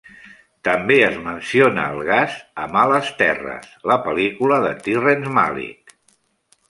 També es menciona el gas a "Males terres", la pel·lícula de Terrence Malick.